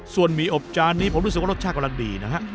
ส่วนหมี่อบจานนี้ผมรู้สึกว่ารสชาติกำลังดีนะฮะ